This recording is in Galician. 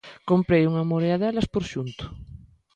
Comprei unha morea delas por xunto